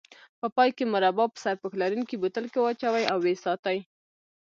په پای کې مربا په سرپوښ لرونکي بوتل کې واچوئ او وساتئ.